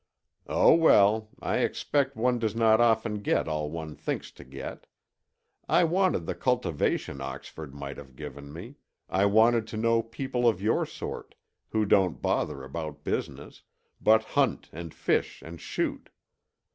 "Oh, well; I expect one does not often get all one thinks to get. I wanted the cultivation Oxford might have given me; I wanted to know people of your sort, who don't bother about business, but hunt and fish and shoot.